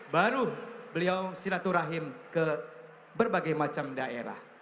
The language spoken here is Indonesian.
baru beliau silaturahim ke berbagai macam daerah